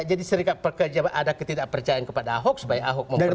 jadi serikat pekerja ada ketidakpercayaan kepada ahok supaya ahok memperbaiki